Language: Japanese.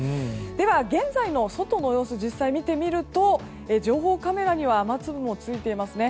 では、現在の外の様子を実際見てみると情報カメラには雨粒もついていますね。